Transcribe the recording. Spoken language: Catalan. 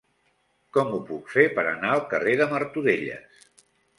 Com ho puc fer per anar al carrer de Martorelles?